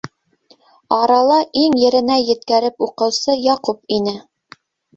Арала иң еренә еткереп уҡыусы Яҡуп ине.